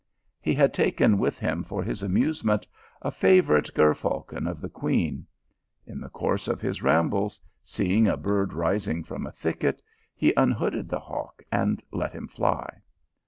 He had taken with THE ROSE OF THE ALHAMBRA. 225 him for his amusement, a favourite ger falcon of the queen. In the course of his rambles, seeing a bird rising from a thicket, he unhooded the hawk and let him fly.